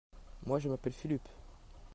Moi, je m'appelle Fulup.